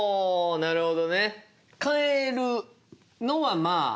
なるほど。